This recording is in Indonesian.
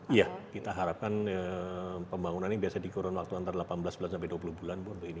iya kita harapkan pembangunannya biasa dikurun waktu antara delapan belas bulan sampai dua puluh bulan bu